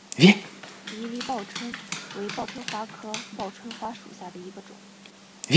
迷离报春为报春花科报春花属下的一个种。